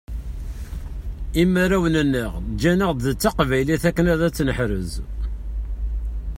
Imarawen-nneɣ ǧǧanaɣ-d taqbaylit akken ad tt-neḥrez.